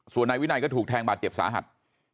ส่วนนายวินัยก็ถูกแทงบาดเจ็บสาหัส